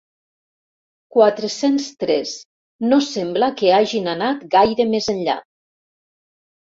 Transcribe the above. Quatre-cents tres no sembla que hagin anat gaire més enllà.